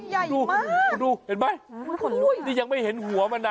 ใหญ่มากดูเห็นไหมนี่ยังไม่เห็นหัวมันนะ